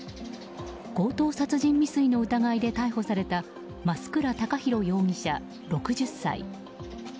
強盗殺人未遂の疑いで逮捕された増倉孝弘容疑者、６０歳。